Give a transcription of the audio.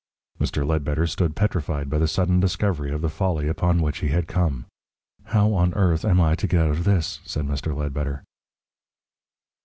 Mr. Ledbetter stood petrified by the sudden discovery of the folly upon which he had come. "How on earth am I to get out of this?" said Mr. Ledbetter.